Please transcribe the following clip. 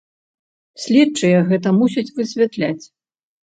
Следчыя гэта мусяць высвятляць.